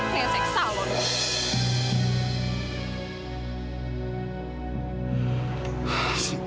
ngesek salah lo